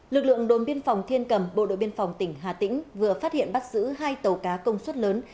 lực lượng đồn biên phòng thiên cầm bộ đội biên phòng tỉnh hà tĩnh vừa phát hiện bắt giữ hai tàu cá công suất lớn